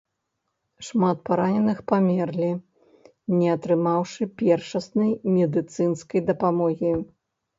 Шмат параненых памерлі, не атрымаўшы першаснай медыцынскай дапамогі.